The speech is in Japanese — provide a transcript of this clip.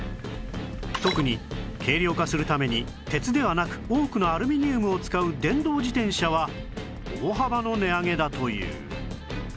特に軽量化するために鉄ではなく多くのアルミニウムを使う電動自転車は大幅の値上げだという